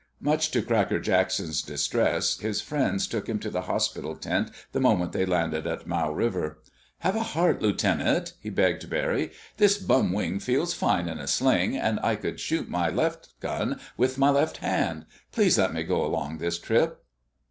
Much to Cracker Jackson's distress, his friends took him to the hospital tent the moment they landed at Mau River. "Have a heart, Lieutenant!" he begged Barry. "This bum wing feels fine in a sling, and I could shoot my left gun with my left hand. Please let me go along this trip."